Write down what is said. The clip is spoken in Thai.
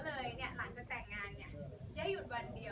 เลยเนี่ยหลังจากแต่งงานเนี่ยได้หยุดวันเดียว